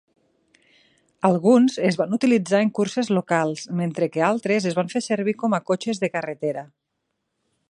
Alguns es van utilitzar en curses locals, mentre que altres es van fer servir com a cotxes de carretera.